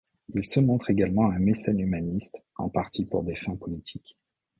Il se montre également un mécène humaniste, en partie pour des fins politiques.